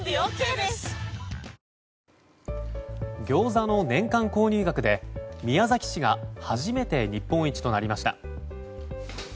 餃子の年間購入額で宮崎市が初めて日本一になりました。